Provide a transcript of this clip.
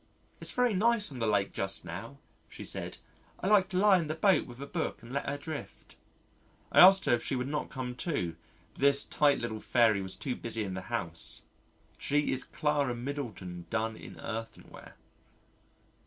"It's very nice on the Lake just now," she said. "I like to lie in the boat with a book and let her drift." I asked her if she would not come too, but this tight little fairy was too busy in the house. She is Clara Middleton done in earthenware.